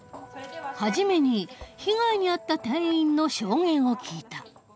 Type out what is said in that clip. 初めに被害に遭った店員の証言を聞いた。